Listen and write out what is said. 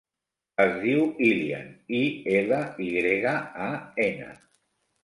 Es diu Ilyan: i, ela, i grega, a, ena.